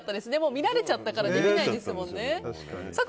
見られちゃったからできないですもんね。